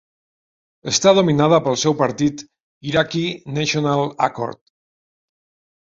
Està dominada pel seu partit Iraqi National Accord.